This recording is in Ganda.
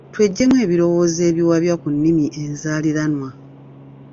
Tweggyemu ebirowoozo ebiwabya ku nnimi enzaaliranwa.